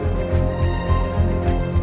kita bisa berdua kita bisa berdua